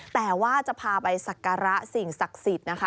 แต่ว่าจะพาไปสักการะสิ่งศักดิ์สิทธิ์นะคะ